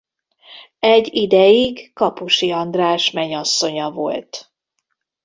Egy ideig Kapusi András menyasszonya volt.